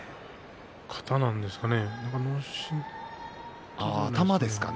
肩なんですかね。